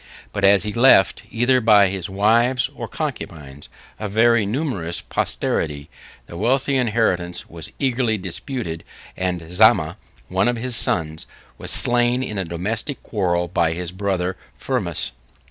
But as he left, either by his wives or concubines, a very numerous posterity, the wealthy inheritance was eagerly disputed; and Zamma, one of his sons, was slain in a domestic quarrel by his brother Firmus.